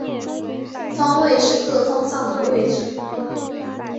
方位是各方向的位置。